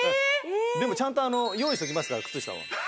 でもちゃんと用意しておきますから靴下は。